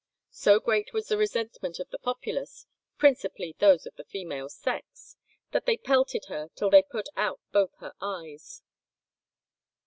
So great was the resentment of the populace, principally those of the female sex, that they pelted her till they put out both her eyes.